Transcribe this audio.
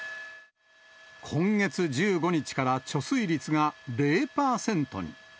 今月１５日から貯水率が０％に。